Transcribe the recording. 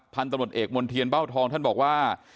พตเมเบ้าทองท่านบอกว่า